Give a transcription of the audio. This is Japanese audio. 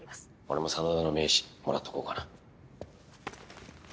俺も真田の名刺もらっとこうかな。